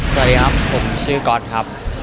สวัสดีครับผมชื่อก๊อตครับ